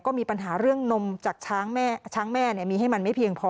ก็มีปัญหาเรื่องนมจากช้างแม่มีให้มันไม่เพียงพอ